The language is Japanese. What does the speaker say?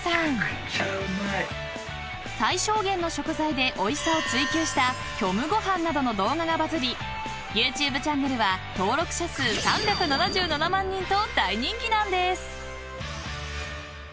［最小限の食材でおいしさを追求した虚無ごはんなどの動画がバズりＹｏｕＴｕｂｅチャンネルは登録者数３７７万人と大人気なんです！］